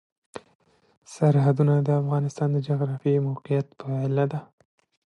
سرحدونه د افغانستان د جغرافیایي موقیعت پایله ده.